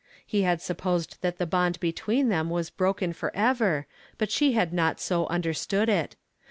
He had sup posed that the bond between them was broken forever, but she had not so understood it.